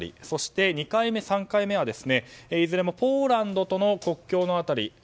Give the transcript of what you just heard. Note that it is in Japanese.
そして２回目、３回目はいずれもポーランドとの国境の辺り。